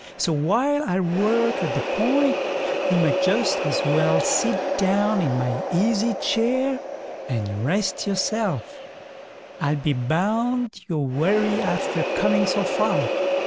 So while I work at the point, you may just as well sit down in my easy chair and rest yourself; I'll be bound you're weary after coming so far."